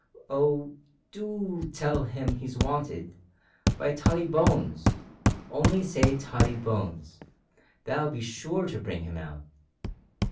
Oh! do o o o tell 'im he's wanted by Tottie Bones. Only say Tottie Bones, that'll be sure to bring 'im out."